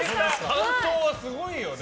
完走はすごいよね。